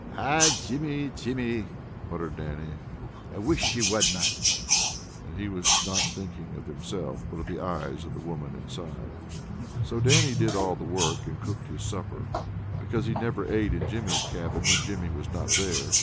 "Oh, Jimmy, Jimmy!" muttered Dannie. "I wish ye wadna." And he was not thinking of himself, but of the eyes of the woman inside. So Dannie did all the work, and cooked his supper, because he never ate in Jimmy's cabin when Jimmy was not there.